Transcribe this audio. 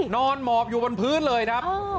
หมอบอยู่บนพื้นเลยครับ